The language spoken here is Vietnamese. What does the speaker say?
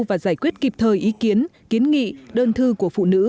và giải quyết kịp thời ý kiến kiến nghị đơn thư của phụ nữ